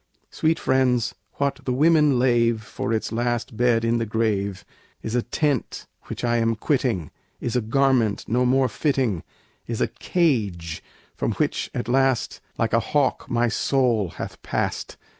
Sweet friends! what the women lave For its last bed in the grave Is a tent which I am quitting, Is a garment no more fitting, Is a cage from which at last Like a hawk my soul hath passed.